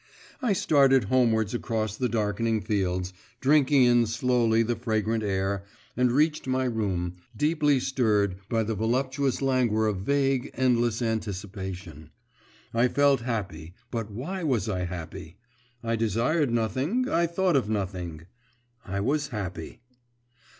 I started homewards across the darkening fields, drinking in slowly the fragrant air, and reached my room, deeply stirred by the voluptuous languor of vague, endless anticipation. I felt happy.… But why was I happy? I desired nothing, I thought of nothing.… I was happy.